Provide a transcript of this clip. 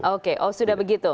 oke oh sudah begitu